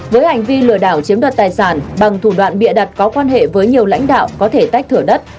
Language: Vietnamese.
với hành vi lừa đảo chiếm đoạt tài sản bằng thủ đoạn bịa đặt có quan hệ với nhiều lãnh đạo có thể tách thửa đất